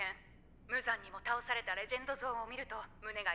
無残にも倒されたレジェンド像を見ると胸が痛みます」。